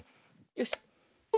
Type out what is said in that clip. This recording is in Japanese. よし。